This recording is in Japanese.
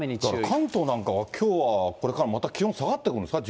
関東なんかはきょうはこれからまた気温下がってくるんですか？